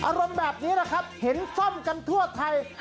อารมณ์แบบนี้นะครับเห็นซ่อมกันทั่วไทย